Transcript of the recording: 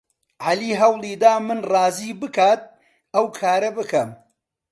عەلی هەوڵی دا من ڕازی بکات ئەو کارە بکەم.